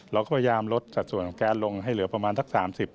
เราก็พยายามลดสัดส่วนของแก๊สลงให้เหลือประมาณสัก๓๐